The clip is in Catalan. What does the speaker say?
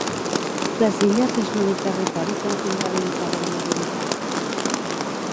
Les Illes és l’únic territori que no tindrà limitada la mobilitat.